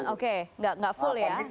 oke nggak full ya